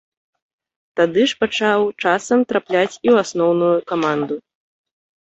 Тады ж пачаў часам трапляць і ў асноўную каманду.